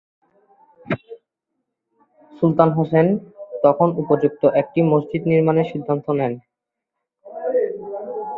সুলতান হুসেন তখন উপযুক্ত একটি মসজিদ নির্মাণের সিদ্ধান্ত নেন।